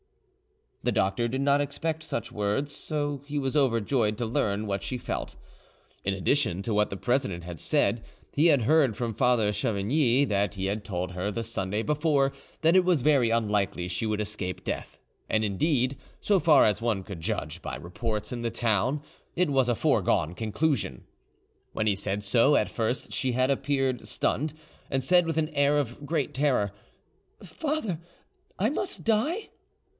The doctor did not expect such words, so he was overjoyed to learn what she felt. In addition to what the president had said, he had heard from Father Chavigny that he had told her the Sunday before that it was very unlikely she would escape death, and indeed, so far as one could judge by reports in the town, it was a foregone conclusion. When he said so, at first she had appeared stunned, and said with an air of great terror, "Father, must I die?"